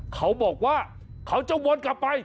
เขาบอกว่าเขาจะวนกลับไป